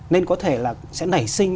nên có thể là sẽ nảy sinh